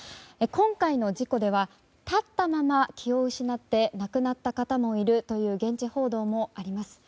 今回の事故では立ったまま気を失って亡くなった方もいるという現地報道もあります。